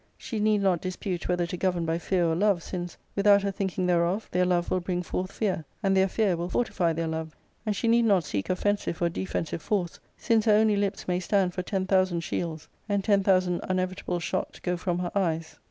She need not dispute whether to govern by fear or love, since, without her thinking thereof, their love will bring forth fear, and their fear will fortify their love ; and she need not seek offensive or defensive force, since her only . lips may stand for ten thousand shields, and ten thousandun evitable shot go from her eyes.